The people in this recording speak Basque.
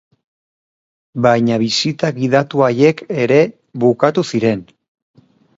Baina bisita gidatu haiek ere bukatu ziren.